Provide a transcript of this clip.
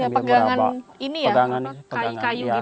pegangan ini ya